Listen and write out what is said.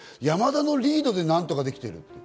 山田のリードで何とかできている。